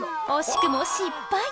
惜しくも失敗。